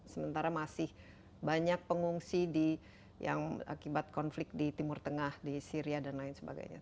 sementara masih banyak pengungsi yang akibat konflik di timur tengah di syria dan lain sebagainya